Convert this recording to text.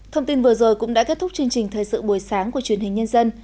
thông tin vừa rồi cũng đã kết thúc chương trình thời sự buổi sáng của truyền hình nhân dân